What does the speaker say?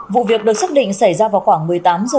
vụ việc được xác định xảy ra vào khoảng một mươi tám h